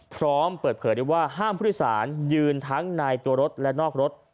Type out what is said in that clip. พร้อมเปิดเผยได้ว่าห้ามผู้โดยสารยืนทั้งในตัวรถและนอกรถ